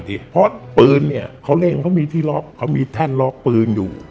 เพราะปืนเขาเล่นมีที่ร๊อคมีแท่นร้อคปืนอยู่